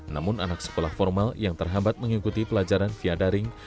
namun anak sekolah formal yang terhambat mengikuti pelajaran via daring